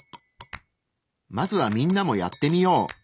まずはみんなもやってみよう。